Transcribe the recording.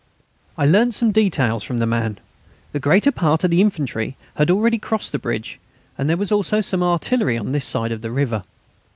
I learnt some details from the man. The greater part of the infantry had already crossed the bridge, and there was also some artillery on this side of the river.